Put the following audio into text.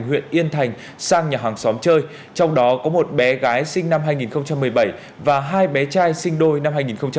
huyện yên thành sang nhà hàng xóm chơi trong đó có một bé gái sinh năm hai nghìn một mươi bảy và hai bé trai sinh đôi năm hai nghìn một mươi bảy